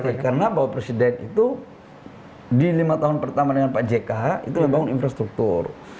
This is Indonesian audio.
oleh karena bapak presiden itu di lima tahun pertama dengan pak jk itu membangun infrastruktur